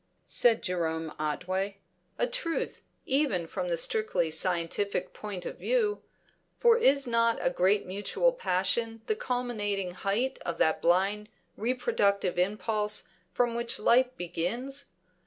said Jerome Otway. A truth, even from the strictly scientific point of view; for is not a great mutual passion the culminating height of that blind reproductive impulse from which life begins?